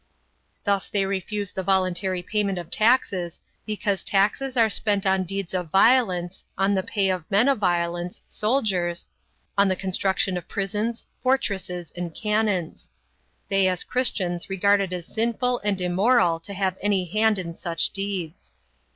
Thus they refuse the voluntary payment of taxes, because taxes are spent on deeds of violence on the pay of men of violence soldiers, on the construction of prisons, fortresses, and cannons. They as Christians regard it as sinful and immoral to have any hand in such deeds.